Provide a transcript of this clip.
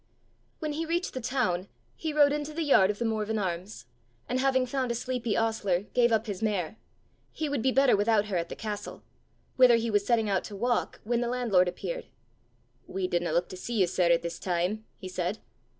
When he reached the town, he rode into the yard of the Morven Arms, and having found a sleepy ostler, gave up his mare: he would be better without her at the castle! whither he was setting out to walk when the landlord appeared. "We didna luik to see you, sir, at this time!" he said.